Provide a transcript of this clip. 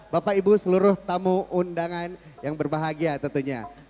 bapak ibu seluruh tamu undangan yang berbahagia tentunya